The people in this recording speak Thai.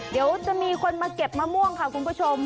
เดี๋ยวจะมีคนมาเก็บมะม่วงค่ะคุณผู้ชม